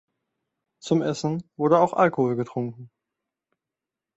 Zum Essen wurde auch Alkohol getrunken.